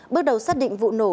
bước đầu xác định vụ nổ